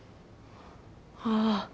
ああ。